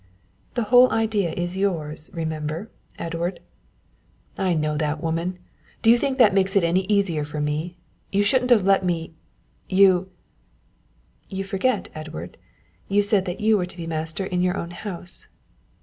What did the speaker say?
"The whole idea is yours remember, Edward." "I know that, woman. Do you think it makes it any easier for me? you shouldn't have let me you " "You forget, Edward, you said that you were to be master in your own house."